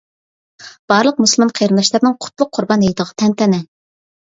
بارلىق مۇسۇلمان قېرىنداشلارنىڭ قۇتلۇق قۇربان ھېيتىغا تەنتەنە!